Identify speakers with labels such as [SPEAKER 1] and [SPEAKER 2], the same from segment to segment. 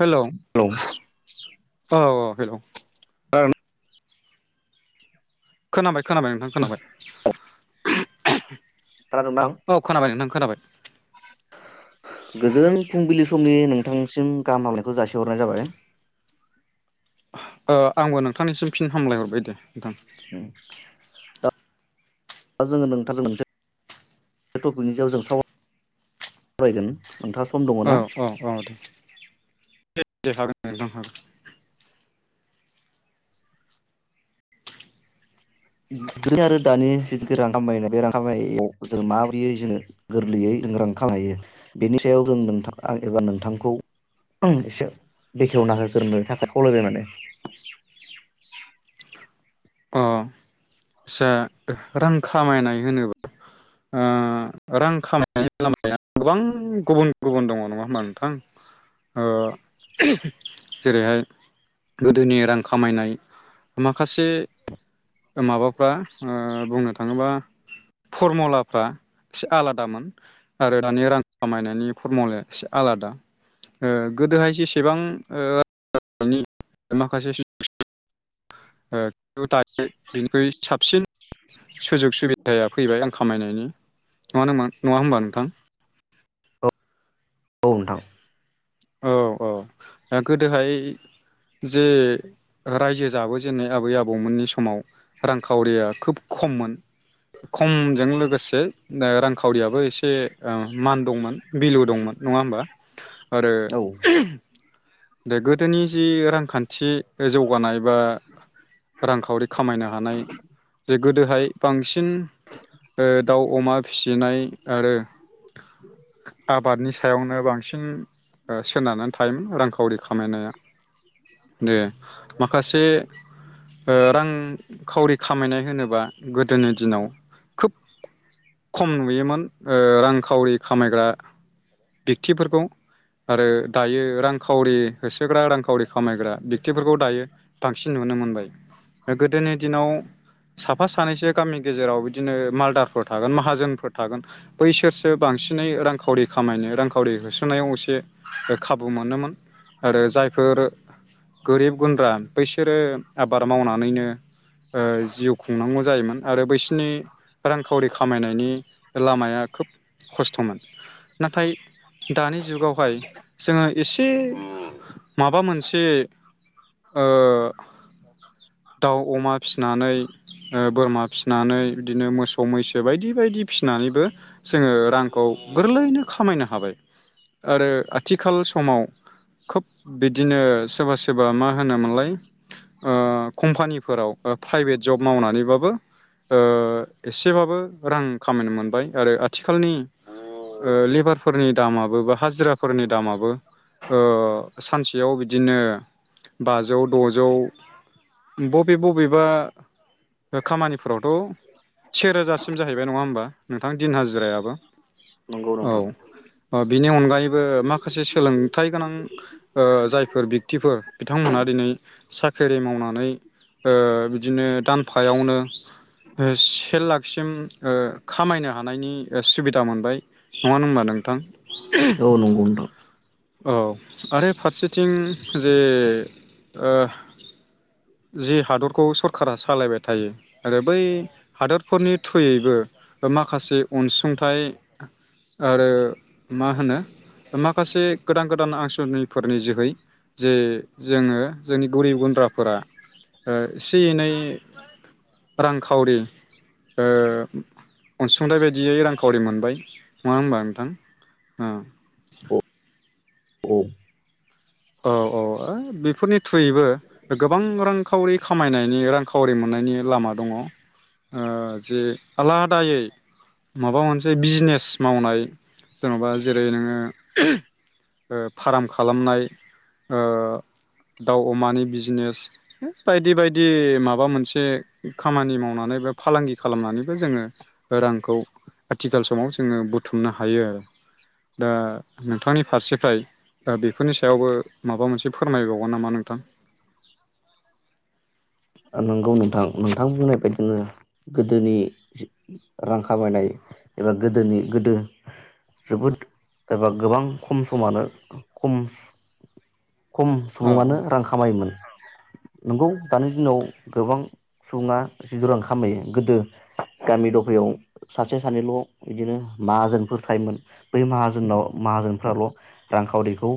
[SPEAKER 1] Hello
[SPEAKER 2] [unintelligible] लौ
[SPEAKER 1] औ औ हेल
[SPEAKER 2] खोनादों
[SPEAKER 1] खोनाबाय खोनाबाय नोंथां खोनाबाय
[SPEAKER 2] खोनादोंना आं
[SPEAKER 1] अ खोनाबायनि नोंथां। खोनाबाय।
[SPEAKER 2] गोजोन फुंबिलि समनि नोंथांसिम गाहाम हामनायखौ जासिहरनाय जाबाय।
[SPEAKER 1] ओ आंबो नोंथांनिसिम फिन हामलाय हरबाय दे नोंथां।
[SPEAKER 2] दा जोङो नोंथां मोनसे टपिकनि सायाव जों सरायगोन।
[SPEAKER 1] औ औ औ दे हागोनद हागोन नोंथां हागोन।
[SPEAKER 2] आरो दानि जिथुखि रां खामायनाय बे रां खामनायाव जों माबोरयै जोङो गोरलैयै जों रां खायो बेनि सायाव जों नोंथां एबा नोंथांखौ एसे बेखेवना होग्रोनो थाखाय खावलायबाय माने।
[SPEAKER 1] आसा रां खामायनाय होनोब्ला ओ रां खामायनायनि लामाया गोबां गुबुन गुबुन दङ नङा होमबा नोंथां ओ‌ जेरैहाय गोदोनि रां खामायनाय माखासे माबा फा बुंनो थाङोबा फरमुलाफ्रा एसे आलादामोन आरो दानि रां खामायनायनि फरमुलाया एसे आलादा ओ गोदोहाय जेसेबां माखासे दायो बइनिख्रुइ साबसिन सुजुग सुबिदाया फैबाय आं खामायनायनि नङा नामा नङा होमबा नोंथां
[SPEAKER 2] औ औ नोंथां
[SPEAKER 1] औ औ ओ गोदोहाय जे रायजो जाबोजेननाय आबै आबौमोननि समाव रांखावरिया खोब खममोन खमजों लोगोसे ओ रांखावरियाबो एसे ओ मान दंमोन बिलु दंमोन नङा होमबा ओ
[SPEAKER 2] औ
[SPEAKER 1] दे गोदोनि जि रांखान्थि जौगानाय बा रांखावरि खामायनो हानाय गोदोहाय बांसिन ओ दाउ अमा फिसिनाय आरो आबादनि सा यावनो बांसिन ओ सोनारनानै थायोमोन रांखावरि खामायनाया दे माखासे रांखावरि खामायनाय होनोबा गोदोनि दिनाव खोब खम नुयोमोन ओ रांखावरि खामायग्रा बेकतिफोरखौ आरो दायो रांखावरि होसोग्रा रांखावरि खामायग्रा बेक्तिफोरखौ दायो बांसिन नुनो मोनबाय गोदोनि दिनाव साफा सानैसो गामि गेजेराव बिदिनो मालदारफोर थागोन माहाजोनफोर थागोन बैसोरसो बांसिनै रांखावरि खामायनो रांखावरि होसोनायाव एसे ओ खाबु मोनोमोन। आरो जायफोर गोरिब गुन्द्रा बैसोरो आबार मावनानैनो जिउ खुंनांगौ जायोमोन आरो बैसोरनि रांखावरि खामायनायनि लामाया खोब खस्थ'मोन नाथाय दानि जुगावहाय जोंङो एसे माबा मोनसे दाउ अमा फिसिनानै ओ बोरमा फिसिनानै बिदिनो मोसौ मैसो बायदि बायदि फिसिनानैबो जोंङो रांखौ गोरलैयैनो खामायनो हाबाय आरो आथिखाल समाव खोब बिदिनो सोरबा-सोरबा मा होनोमोनलाय ओ कम्पानिफोराव ओ प्राइभेट जब मावनानैबाबो ओ एसे बाबो रां खामायनो मोनबाय आरो आथिखालनि ओ लेबारफोरनि दामाबो बा हाजिरा फोरनि दामाबो ओ सानसेयाव बिदिनो बाजौ द'जौ बबे बबेबा ओ खामानिफोरावथ' सेे रोजासिम जाहैबाय नङा होमबा नोंथां दिन हाजिरायाबो।
[SPEAKER 2] नंगौ
[SPEAKER 1] औ
[SPEAKER 2] नोंथां
[SPEAKER 1] औ बिनि अनगायै ओ माखासे सोलोंथाइ गोनां जायफोर बेकतिफोर बिथांमोनहा दिनै सा खरि मावनानै ओ बिदिनो दानफायावनो से लाक सिम ओ खामायनो हानायनि सुबिदा मोनबाय नङानो होमबा नोंथां
[SPEAKER 2] औ नंगौ नोंथां
[SPEAKER 1] औ आरो फारसेथिं जे ओ जि हादरखौ सरकारा सालायबाय थायो आरो बै हादरफोरनि थ्रुयैबो माखासे अनसुंथाइ आरो मा होनो माखासे गोदान-गोदान आसनिफोरनि जोहै जे जोंङो जोंनि गोरिब गुन्द्रा फोरा ओ इसे इनै रांखावरि ओ अनसुंथाइ बायदियै रांखावरि मोनबाय नङा होमबा नोंथां ओ [unintelligible]
[SPEAKER 2] औ
[SPEAKER 1] औ औ ओ बे फोरनि थ्रुयैबो गोबां रांखावरि खामायनायनि रांखावरि मोननायनि लामा दङ ओ जे आलादायै माबा मोनसे बिजिनेस मावनाय जेन'बा जेरै नोङो ओ फार्म खालामनाय ओ दाउ अमानि बिजनेस बायदि बायदि माबा मोनसे खामानि मावनानै बा फालांगि खालामनानैबो जोङो रांखौ आथिखाल समाव जोङो बुथुमनो हायो आरो दा नोंथांनि फारसेफ्राय दा बेफोरनि सायावबो माबा मोनसे फोरमायबावगोन नामा नोंथां?
[SPEAKER 2] नंगौ नोंथां। नोंथां बुंनाय बायदिनो गोदोनि रां खामायनाय एबा गोदोनि गोदो जोबोद एबा गोबां खम समानो खम खम
[SPEAKER 1] औ
[SPEAKER 2] सुबुङानो रां खामायोमोन। नंगौ दानो दिनाव गोबां सुबुङा एद रां खामायो गोदो गामि दफायाव सासे सानैल' बिदिनो माहाजोनफोर थायोमोन बै माहाजोनाव माहाजोनफ्राल' रांखावरिखौ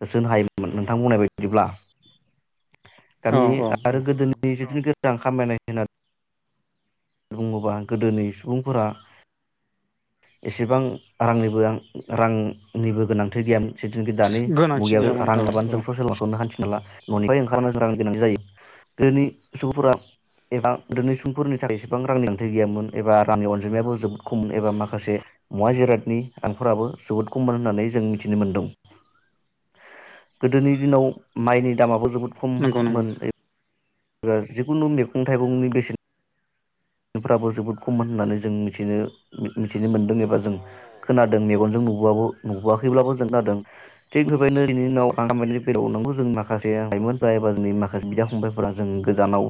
[SPEAKER 2] होसोनो हायोमोन नोंथां बुंनाय बायदिब्ला।
[SPEAKER 1] औ
[SPEAKER 2] गामि
[SPEAKER 1] औ
[SPEAKER 2] आरो गोदोननि मोजां खामायनाय होननानै बुङोबा गोदोनि सुबुंफोरा एसेबां रांनिबो रांनिबो गोनांथि गैयामोन। जिथुनाखि दानि
[SPEAKER 1] गोनांथि
[SPEAKER 2] मुगायावाबो
[SPEAKER 1] गैयामोन
[SPEAKER 2] रां
[SPEAKER 1] औ
[SPEAKER 2] लााबानो
[SPEAKER 1] औ
[SPEAKER 2] जों ससेललाखौनो हान्थिनो हाला ननिफ्रायाय ओंखारनो गोनाय जायो गोदोनि सुबुंफोरा एबा गोदोनि सुबुंफोरनि थाखाय बेसेबां रांनि आंथाइ गैयामोन एबा रांनि अनजिमायाबो जोबोद खममोन एबा माखासे मुवा जिरादनि आंफोराबो जोबोद खममोन होननानै जों मिथिनो मोन्दों। गोदोनि दिनाव माइनि दामाबो जोबोद
[SPEAKER 1] नंगौ नंगौ
[SPEAKER 2] ख'मोन बा जिखुनु मैगं-थाइगंनि बेसेनफ्राबो जोबोद खममोन होननानै जों मिनो मिथिनो मोनदों एबा जों खोनादों मेगनजों नुबो नुबोआखैब्लाबो जों खोनादों थिग बेबायदिनो बिनि उनाव रां बायदि बेलरनांगौ जों माखासे लाइमोनफ एबा जोंनि माखासे बिदा-फंबाय फोर जों गोजानाव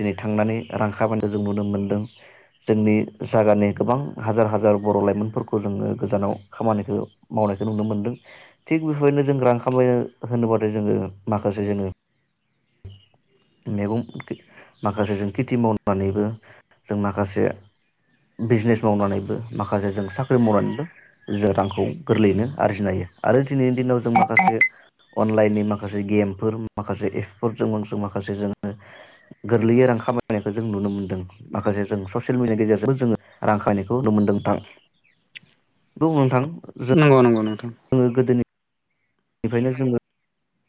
[SPEAKER 2] दिनै थांनानै रां खामायनायखौ जों नुनो मोनदों जोंनि जायगानि गोबां हाजार हाजार बर' लाइमोनफोरखौ जोङो गोजानाव खामानिखौ मावनायखौ नुनो मोनदों थिग बेफोरबायदिनो जों रां खामायनो होनोबाथाय जोङो माखासे जोङो मैगं माखासे जों खेथि मावनानैबो जों माखासे बिजिनेस मावनानैबो माखासे जों साख्रि मावनानैबो जों रांखौ गोरलैयैनो आरजिनो हायो आरो दिनैनि दिनाव जों माखासे अनलाइननि माखासे गेमफोर माखासे एफ फोर जों माखासे जोङो गोरलैयै रां खामायनायखौ जों नुनो मोनदों माखासे जों ससियेल मिडियानि गेजेरजोंबो जोङो रां खामायनायखौ नुनो मोनदों नोंथां। उम नोंथां
[SPEAKER 1] नंगौ नंगौ नंगौ
[SPEAKER 2] जोङो गोदोनि बेनिखायनो जोङो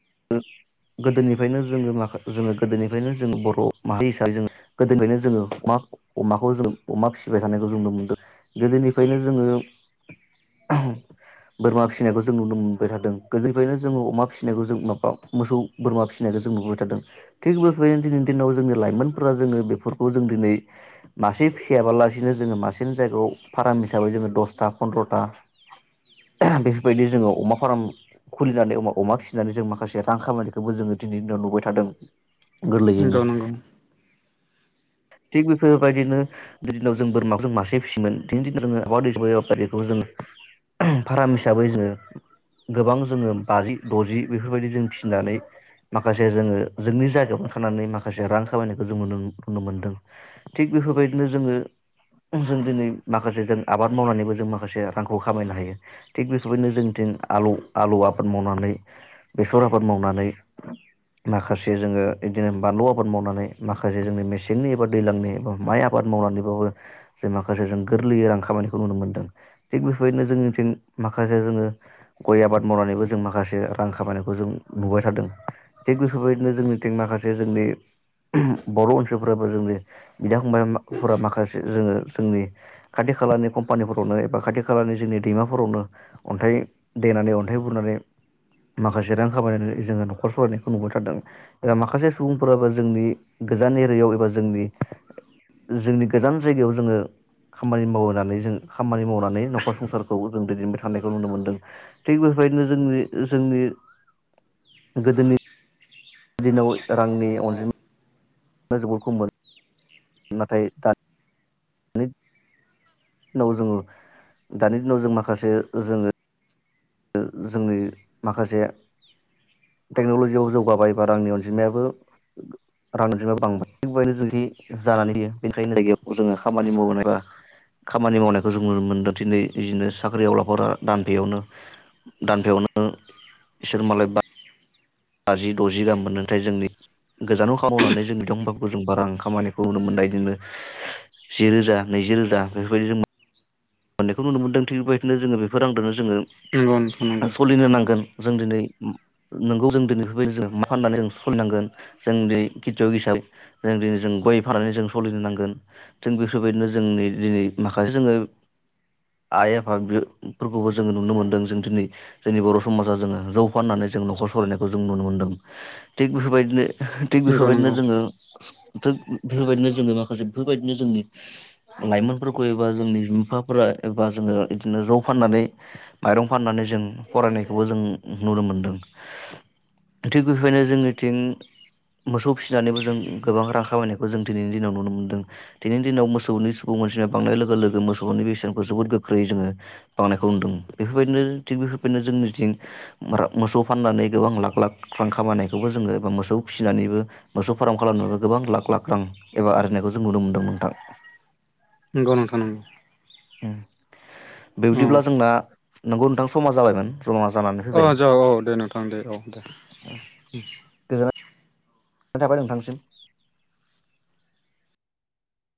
[SPEAKER 2] [unintelligible] गोदोनिफ्रायनो जोङो माखा जोङो गोदोनिफ्रायनो जों बर' माहारि हिसाबै जों गोदोनिफ्रायनो जोङो अमा अमाखौ जोङो अमा फिसिबाय थानायखौ जों नुनो मोनदों। गोदोनिफ्रायनो जोङो बोरमा फिसिनायखौ जों नुनो मोनबाय थादों गोदोनिफ्रायनो जोङो अमा फिसिनायखौ जों मोसौ बोरमा फिसिनायखौ जों नुुबाय थादों थिग बेफोरबायदिनो दिनैनि दिनाव जोंनि लाइमोनफोरा जोङो बेफोरखौ जों दिनै मासे फिसियाबालासिनो जोङो मासेनि जायगायाव फार्म हिसाबै जोङो दसथा फन्द्र'था बेफोरबायदि जोङो अमा फार्म खुलिनानै अमा फिसिनानै जों माखासे रां खामानिखौबो जोङो दिनैनि दिनाव नुबाय थादों। गोरलैयैनो
[SPEAKER 1] नंगौ नंगौ
[SPEAKER 2] थिग बेफोरबायदिनो गोदोनिदिनाव जों बोरमाखौ जों मासे फिसियोमोन दिनि दिनावो आबाद हाबाफारिखौ जों फार्म हिसाबै जोङो गोबां जोङो बाजि द'जि बेफोरबायदि जों फिसिनानै माखासे जोङो जोंनि जायावनो थानानै माखासे रां खामायनायखौ जों नुनो मोनदों थिग बेफोरबायदिनो जोङो जों दिनै माखासे जों आबाद मावनानैबो जों माखासे रांखौ खामायनो हायो थि बेफोरबायदिनो जों दिनै आलु आलु आबाद मावनानै बे सर आबाद मावनानै माखासे जोङो बिदिनो बानलु आबाद मावनानै माखासे जोंनि मेसेंनि एबा दैलांनि एबा माइ आबाद मावनानैबाबो जों माखासे जों गोरलैयै रां खामानिखौ नुनो मोनदों थिग बेफोरबायदिनो जोंनिथिं माखासे जोङो गय आबाद मावनानैबो जों माखासे रां खामायनाय खौ जों नुबाय थादों। थिग बेफोरबायदिनो जोंनि माखासे जोंनि बर' ओनसोलफोराबो जोंनि बिदा फंबायफोरा माखासे जोङो जोंनि खाथि खालानि कम्पानिफोरावनो एबा खाथि खालानि जोंनि दैमाफोरावनो अन्थाइ देनानै अन्थाइ बुरनानै माखासे जे रां खामायनानै जोङो न'खर सलनायखौ नुबाय थादों एबा माखासे सुबुंफोराबो जोंनि गोजान एरियाव एबा जोंनि जोंनि गोजान जायगायाव जोङो खामानि मावनानै जों खामानि मावनानै न'खर संसारखौ जों दैदेनबाय थानायखौ नुनो मोनदों थिग बेफोरबायदिनो जोंनि जोंनि गोदोनि दिनाव रांनि अनजिमा [unintelligible] नाथाय दा नि नौ जोङो दानि दिनाव जों माखासे जोङो ओ जोंनि माखासे टेक्न'लजियाव जौगाबाय बा रांनि अनजिमायाबो रांनि अनजिमायाबो बांबाय थिगबायदिनो जुदि जानानै होयो। बेनिखायनो जायगायाव जोङो खामानि मावनाय बा खामानि मावनायखौ जों नुनो मोनदों दिनै इदिनो साख्रि आवलाफोरा दानफेयावनो दानफायावनो इसोर मालाय बा बाजि द'जि गाहाम मोनदों नाथाय जोंनि गोजानाव खाम मावनानै जों बिदिआवबा जों बारा खामानिखौ नुनो मोननाय जोंनो जिरोजा नैजि रोजा बेफोरबायदि जों मो मोननायखौ नुनो मोनदों थि बेदिनो जोङो बेफोर रांदोनो जोङो
[SPEAKER 1] नंगौ नोंथां नंगौ
[SPEAKER 2] सलिनो नांगोन। जों दिनै उम नोंगौ जों दिनै बेफोरबायदिनो जों मा फाननानै जों सलिनांगोन। जों दिनै खितयक हिसाबै जों दिनै जों गय फाननानै जों सलिनो नांगोन थिग बेफोरबायदिनो जोंनि दिनै माखासे जोङो। आइ आफा बेफोरखौबो जोङो नुनो मोन्दों। जों दिनै जोंनि बर' समाजा जोङो जौ फाननानै जों न'खर सालायनायखौ जों नुनो मोन्दों थिग बेफोरबायदिनो। थिग बेफोरबायदिनो जोङो। थोग बेफोरबायदिनो जोङो माखासे बेफोरबायदिनो जोंनि लाइमोनफोरखौ एबा जोंनि बिमफा। फोरा एबा जोङो इदिनो जौ फाननानै माइरं फाननानै जों फरायनायखौबो जों नुनो मोनदों। थिग बेखायनो जोंनिथिं मोसौ फिसिनानैबो जों गोबां रां खामायनायखौ जों दिनैनि दिनाव नुनो मोनदों। दिनैनि दिनाव मोसौनि सुबुं मोनसिया बांनाय लोगो लोगो मोसौनि बेस जोंफोर जोबोद गोख्रै जोङो बांनायखौ नुदों। बेफोरबायदिनो थिग बेफोरबायदिनो जोंनिथिं बारा मोसौ फाननानै गोबां लाख लाख रां खामायनायखौबो जोङो एबा मोसौ फिसिनानैबो मोसौ फार्म खालामनोबो गोबां लाख लाख रां एबा आरजिनायखौ जों नुनो मोन्दों नोंथां।
[SPEAKER 1] नोंखौ नोंथां नोंगौ।
[SPEAKER 2] उम बिबदिब्ला जोंना नोंगौ नोंथां समा जाबायमोन। जमा जानानै फैबाय
[SPEAKER 1] अ' जाव औ दे नोंथां दे औ दे।
[SPEAKER 2] गोजोननाय थाबाय नोंथांनिसिम।